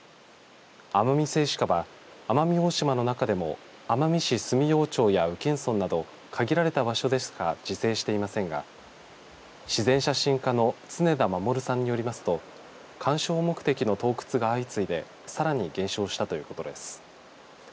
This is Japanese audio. アマミセイシカは奄美大島の中でも奄美市住用町や宇検村など限られた場所でしか自生していませんが自然写真家の常田守さんによりますと鑑賞目的の盗掘が相次いでさらに減少したということです。